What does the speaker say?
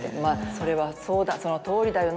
それはそうだそのとおりだよな